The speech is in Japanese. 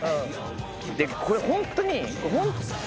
でこれホントに。